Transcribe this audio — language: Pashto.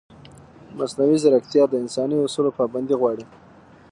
مصنوعي ځیرکتیا د انساني اصولو پابندي غواړي.